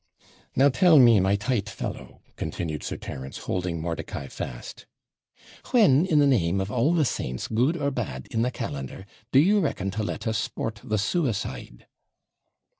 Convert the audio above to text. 'Now tell me, my tight fellow,' continued Sir Terence, holding Mordicai fast, 'when, in the name of all the saints, good or bad, in the calendar, do you reckon to let us sport the SUICIDE?'